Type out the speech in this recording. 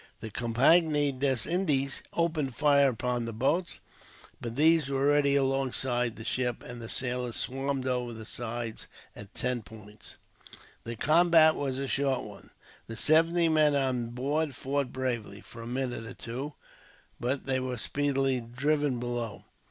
The Compagnie des Indes opened fire upon the boats, but these were already alongside the ship, and the sailors swarmed over the side at ten points. The combat was a short one. The seventy men on board fought bravely, for a minute or two, but they were speedily driven below.